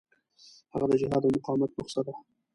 هغه د جهاد او مقاومت نسخه ده.